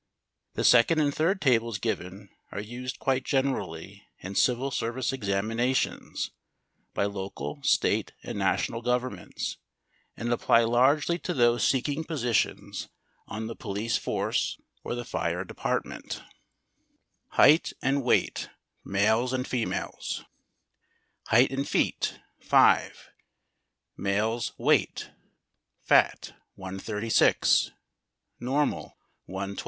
The second and third tables given are used quite generally in civil service examinations by local, state, and national governments, and apply largely to those seeking positions on the police force or the fire department Height, Males Weight, Females Weight, Feet Fat Normal Fat Normal 5 136 112 122 102 5.